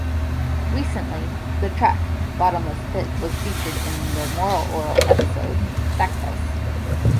Recently, the track "Bottomless Pit" was featured in the Moral Orel episode "Sacrifice".